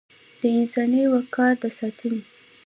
د انساني وقار د ساتنې